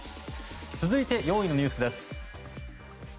続いて、４位のニュースです。